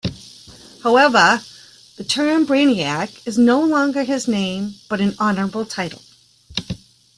However, the term "Brainiac" is no longer his name but an honorable title.